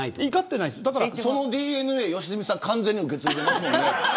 そのＤＮＡを良純さんは完全に受け継いでいますもんね。